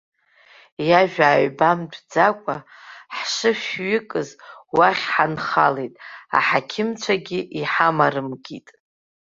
Иажәа ааҩбамтәӡакәа ҳшышәҩыкыз уахь ҳанхалеит, аҳақьымцәагьы иҳамарымкит.